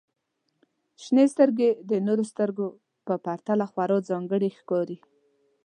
• شنې سترګې د نورو سترګو په پرتله خورا ځانګړې ښکاري.